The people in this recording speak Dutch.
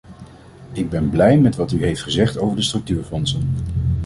Ik ben blij met wat u heeft gezegd over de structuurfondsen.